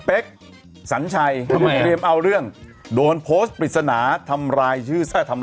เป๊กสันชัยไม่เอาเรื่องโดนโพสต์ปิจสนาทำรายชื่อทำ